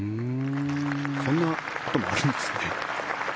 こんなこともあるんですね。